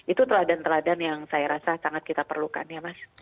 itu teladan teladan yang saya rasa sangat kita perlukan ya mas